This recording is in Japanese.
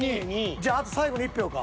じゃああと最後の１票か。